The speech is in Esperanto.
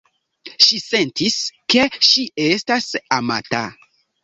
Ŝi sentis, ke ŝi estas amata.